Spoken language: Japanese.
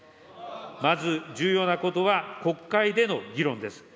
まず重要なことは、国会での議論です。